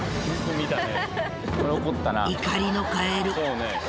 怒りのカエル。